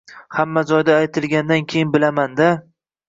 Hamma joyda aytilgandan keyin bilaman-da